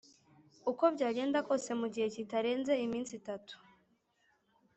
Uko byagenda kose mu gihe kitarenze iminsi itatu